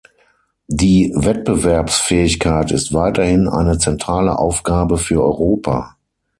Die Wettbewerbsfähigkeit ist weiterhin eine zentrale Aufgabe für Europa.